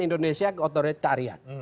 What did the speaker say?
indonesia ke otoritarian